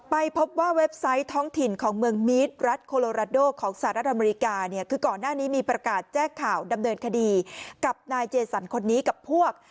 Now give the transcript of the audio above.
ไปพบว่าเว็บไซต์ท้องถิ่นของเมืองมีดรัฐโคโลราโดของสหรัฐอเมริกาเนี่ยคือก่อนหน้านี้มีประกาศแจ้งข่าวดำเนินคดีกับนายเจสันคนนี้กับพวก